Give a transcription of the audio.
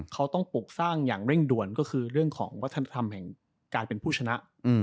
เขาต้องปลูกสร้างอย่างเร่งด่วนก็คือเรื่องของวัฒนธรรมแห่งการเป็นผู้ชนะ